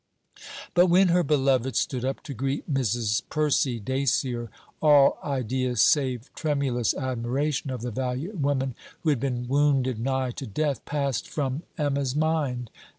But when her beloved stood up to greet Mrs. Percy Dacier, all idea save tremulous admiration of the valiant woman, who had been wounded nigh to death, passed from Emma's mind.